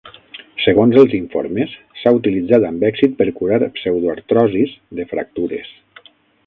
Segons els informes, s'ha utilitzat amb èxit per curar pseudoartrosis de fractures.